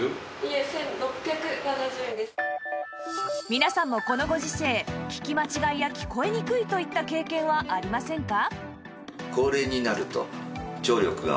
皆さんもこのご時世聞き間違いや聞こえにくいといった経験はありませんか？